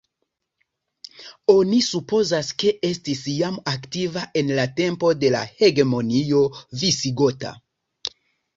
Oni supozas, ke estis jam aktiva en la tempo de la hegemonio visigota.